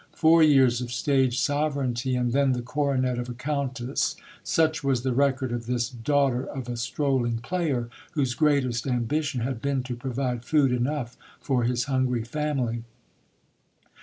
Four years of stage sovereignty and then the coronet of a Countess; such was the record of this daughter of a strolling player, whose greatest ambition had been to provide food enough for his hungry family.